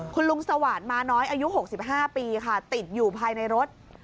คุณลุงสวาสมาน้อยอายุ๖๕ปีค่ะติดอยู่ภายในรถ